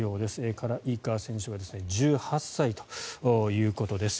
カラ・イーカー選手は１８歳ということです。